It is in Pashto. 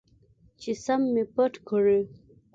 چې سم مې پټ کړي.